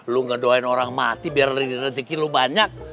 lu gak doain orang mati biar diriziki lu banyak